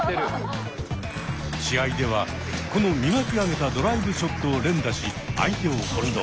試合ではこの磨き上げたドライブショットを連打し相手を翻弄。